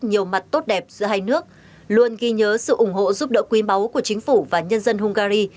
nhiều mặt tốt đẹp giữa hai nước luôn ghi nhớ sự ủng hộ giúp đỡ quý máu của chính phủ và nhân dân hungary